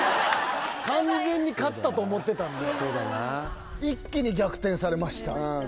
完全に勝ったと思ってたんで一気に逆転されましたされました